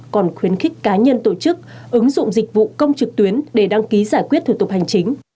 còn khuyến khích cá nhân tổ chức ứng dụng dịch vụ công trực tuyến để đăng ký giải quyết thủ tục hành chính